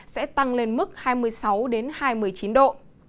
sẽ tăng lên mức hai mươi sáu hai mươi chín độ